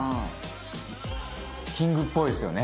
「キングっぽいですよね。